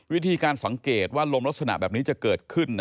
วิธีการสังเกตว่าลมลักษณะแบบนี้จะเกิดขึ้น